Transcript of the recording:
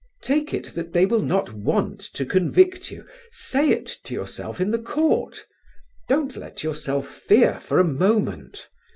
Take it that they will not want to convict you. Say it to yourself in the court; don't let yourself fear for a moment.